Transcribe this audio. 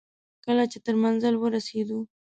کله چې تر منزل ورسېدو.